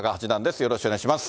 よろしくお願いします。